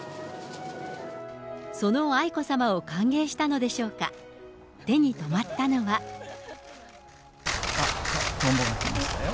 その愛子さまを歓迎したのでしょうか、あっ、トンボが来ましたよ。